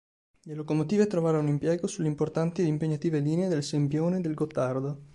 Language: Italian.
Le locomotive trovarono impiego sulle importanti ed impegnative linee del Sempione e del Gottardo.